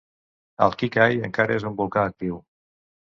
El Kikai encara és un volcà actiu.